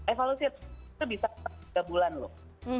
evaluasi itu bisa tiga bulan loh